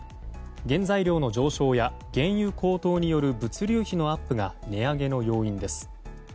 原材料の上昇や原油高騰による物流費のアップが値上げの要因です。